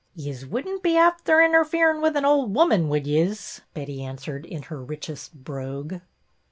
"Yez wouldn't be afther interferin' wit' an' ould woman, would yez .i* " Betty answered in her richest brogue.